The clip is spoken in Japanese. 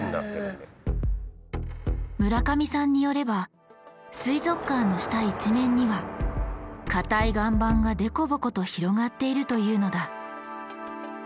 村上さんによれば水族館の下一面にはかたい岩盤がデコボコと広がっているというのだ。